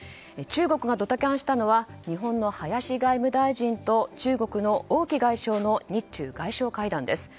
中国がドタキャンしたのは日本の林外務大臣と中国の王毅外相の日中外相会談です。